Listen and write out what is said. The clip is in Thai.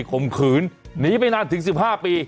ขอบคุณครับขอบคุณครับ